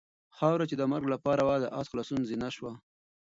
خاوره چې د مرګ لپاره وه د آس د خلاصون زینه شوه.